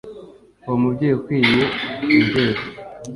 Uwo mubyeyi ukwiye imbyeyi